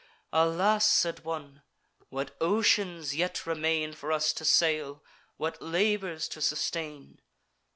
"Alas!" said one, "what oceans yet remain For us to sail! what labours to sustain!"